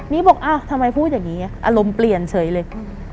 นี่บอกอ้าวทำไมพูดอย่างนี้อารมณ์เปลี่ยนเฉยเลย